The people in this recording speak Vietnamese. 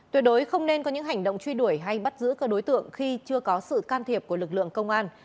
tuyệt đối không nên có những hành động truy đuổi hay bắt giữ các đối tượng khi chưa có sự can thiệp của lực lượng công an